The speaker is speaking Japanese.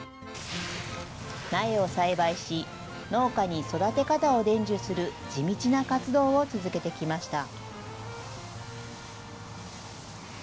苗を栽培し、農家に育て方を伝授する地道な活動を続けてきました。